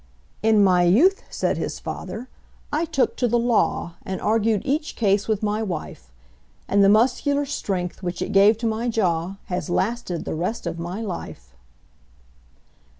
"In my youth," said his fater, "I took to the law, And argued each case with my wife; And the muscular strength, which it gave to my jaw, Has lasted the rest of my life."